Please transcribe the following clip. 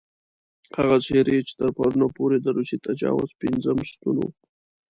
هغه څېرې چې تر پرونه پورې د روسي تجاوز پېنځم ستون وو.